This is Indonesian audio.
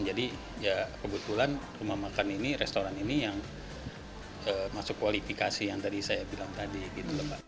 jadi kebetulan rumah makan ini restoran ini yang masuk kualifikasi yang tadi saya bilang tadi